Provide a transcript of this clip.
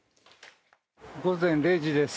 午前０時です。